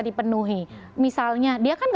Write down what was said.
dipenuhi misalnya dia kan